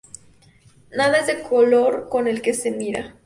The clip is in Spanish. nada es del color con el que se mira